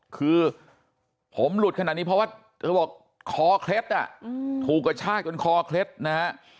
คือผมหลุดขนาดนี้เพราะว่าเธอบอกคอเคล็ดอ่ะถูกกระชากจนคอเคล็ดนะฮะ